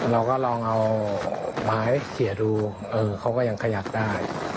เราก็ลองเอาไม้เขียนดูเขาก็ยังขยับได้